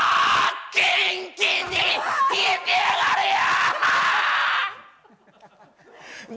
キンキンに冷えてやがるよ！